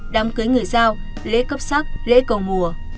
đám cưới người giao lễ cấp sắc lễ cầu mùa